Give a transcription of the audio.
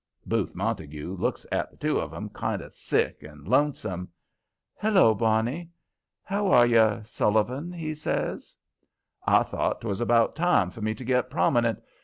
Booth Montague looks at the two of 'em kind of sick and lonesome. "Hello, Barney! How are you, Sullivan?" he says. I thought 'twas about time for me to get prominent.